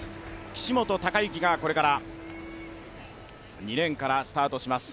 岸本鷹幸がこれから２レーンからスタートします。